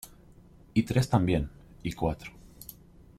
y tres también, y cuatro...